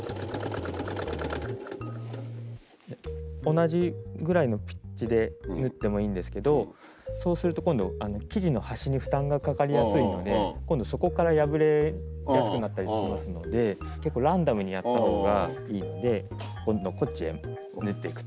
同じぐらいのピッチで縫ってもいいんですけどそうすると今度生地の端に負担がかかりやすいので今度そこから破れやすくなったりしますので結構ランダムにやった方がいいので今度はこっちへ縫っていくと。